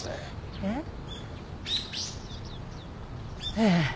えっ？ええ。